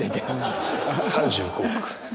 ３５億。